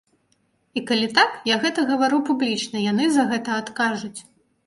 І калі так, я гэта гавару публічна, яны за гэта адкажуць.